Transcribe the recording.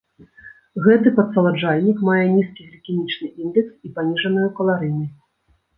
Гэты падсаладжальнік мае нізкі глікемічны індэкс і паніжаную каларыйнасць.